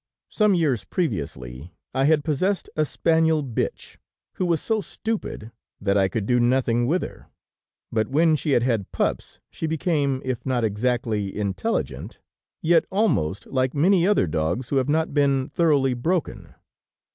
Some years previously I had possessed a spaniel bitch who was so stupid that I could do nothing with her, but when she had had pups she became, if not exactly intelligent, yet almost like many other dogs who have not been thoroughly broken.